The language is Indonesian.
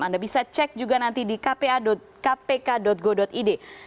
anda bisa cek juga nanti di kpk go id